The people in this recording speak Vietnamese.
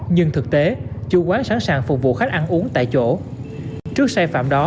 nhưng thực tế chủ quán sẵn sàng phục vụ khách ăn uống tại chỗ trước sai phạm đó